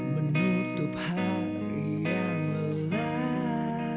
menutup hari yang lelah